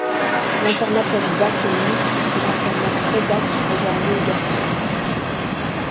L'internat post-bac est mixte et l'internat pré-bac réservé aux garçons.